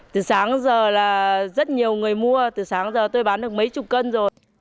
từ sáng đến giờ là rất nhiều người mua từ sáng giờ tôi bán được mấy chục cân rồi